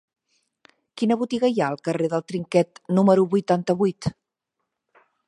Quina botiga hi ha al carrer del Trinquet número vuitanta-vuit?